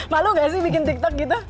malu gak sih bikin tiktok gitu